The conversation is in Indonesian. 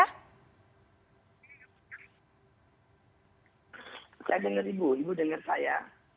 saya dengar ibu ibu dengar saya